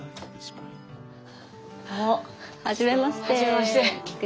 はじめまして。